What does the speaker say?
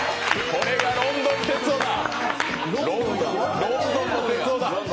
これがロンドン哲夫だ。